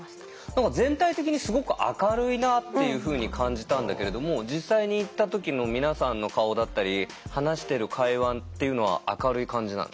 何か全体的にすごく明るいなっていうふうに感じたんだけれども実際に行った時の皆さんの顔だったり話してる会話っていうのは明るい感じなの？